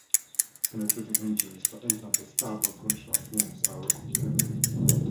Direct, penetrating injuries, for example, stab or gunshot wounds are rare.